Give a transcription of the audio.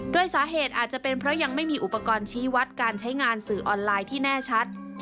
โดยสาเหตุอาจจะเป็นเพราะยังไม่มีอุปกรณ์ชี้วัดการใช้งานสื่อออนไลน์ที่แน่ชัด